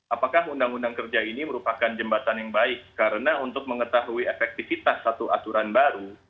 apakah undang undang kerja ini merupakan jembatan yang baik karena untuk mengetahui efektivitas satu aturan baru